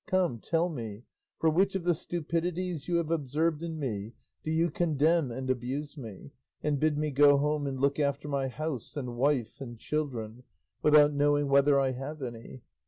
Come, tell me, for which of the stupidities you have observed in me do you condemn and abuse me, and bid me go home and look after my house and wife and children, without knowing whether I have any?